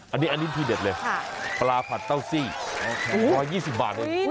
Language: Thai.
อันนี้เองนี่เด็ดเลยฮาปลาผัดเต้าซี่ร้อยยี่สิบบาทอื่น